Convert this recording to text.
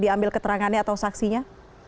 ambil keterangannya atau saksinya